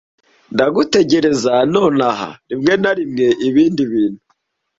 Ndagutekereza nonaha; rimwe na rimwe ibindi bintu.